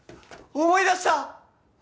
思い出した！